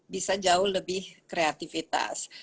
kita bisa jauh lebih kreatifitas